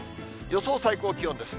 予想最高気温です。